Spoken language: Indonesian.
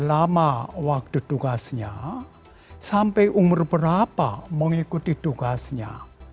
lama waktu tugasnya sampai umur berapa mengikuti tugasnya